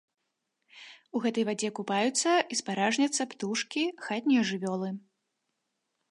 У гэтай вадзе купаюцца і спаражняцца птушкі, хатнія жывёлы.